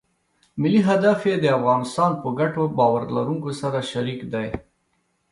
ملي هدف یې د افغانستان په ګټو باور لرونکو سره شریک دی.